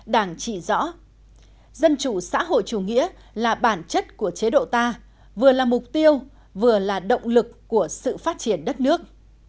đảng chỉ rõ dân chủ xã hội chủ nghĩa là bản chất của chế độ ta vừa là mục tiêu vừa là động lực của sự phát triển đất nước